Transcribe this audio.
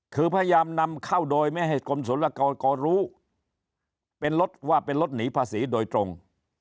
คือพยายามนำเข้าโดยไม่ให้กรมศุลกรกรรู้เป็นรถว่าเป็นรถหนีภาษีโดยตรง